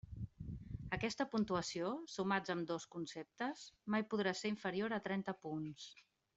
Aquesta puntuació, sumats ambdós conceptes, mai podrà ser inferior a trenta punts.